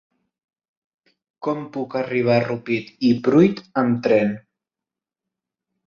Com puc arribar a Rupit i Pruit amb tren?